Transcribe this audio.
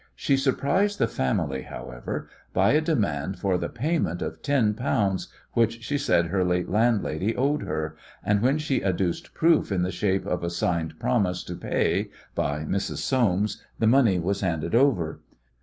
She surprised the family, however, by a demand for the payment of ten pounds which she said her late landlady owed her, and when she adduced proof in the shape of a signed promise to pay by Mrs. Soames the money was handed over.